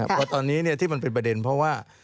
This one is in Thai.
เพราะตอนนี้ที่มันเป็นประเด็นเพราะว่า